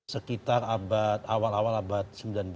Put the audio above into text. sekitar awal awal abad sembilan belas